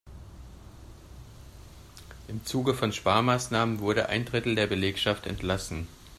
Im Zuge von Sparmaßnahmen wurde ein Drittel der Belegschaft entlassen.